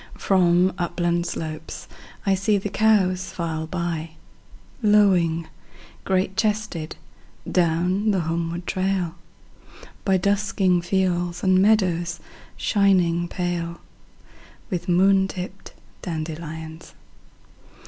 1From upland slopes I see the cows file by,2Lowing, great chested, down the homeward trail,3By dusking fields and meadows shining pale4With moon tipped dandelions.